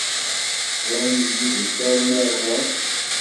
Swan yid-s armi i ṛwan.